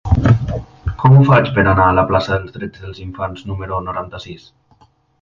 Com ho faig per anar a la plaça dels Drets dels Infants número noranta-sis?